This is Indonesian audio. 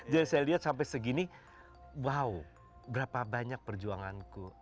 jadi saya lihat sampai segini wow berapa banyak perjuanganku